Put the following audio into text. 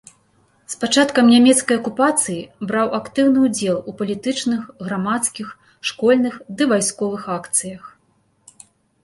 З пачаткам нямецкай акупацыі браў актыўны ўдзел у палітычных, грамадскіх, школьных ды вайсковых акцыях.